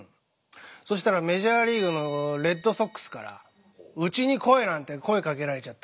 そしたらメジャーリーグのレッドソックスからうちに来いなんて声かけられちゃった。